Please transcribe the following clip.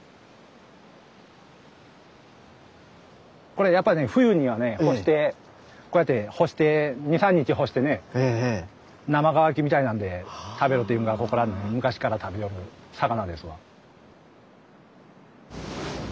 これやっぱね冬にはね干してこうやって干して２３日干してね生乾きみたいなんで食べるというのがここらの昔から食べよる魚ですわ。